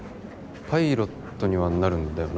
パイロットにはなるんだよな？